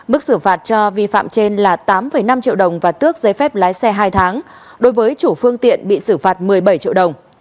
mức xử phạt cho vi phạm trên là tám năm triệu đồng và tước giấy phép lái xe hai tháng đối với chủ phương tiện bị xử phạt một mươi bảy triệu đồng